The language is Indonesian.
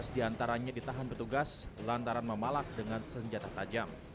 tiga belas diantaranya ditahan petugas lantaran memalak dengan senjata tajam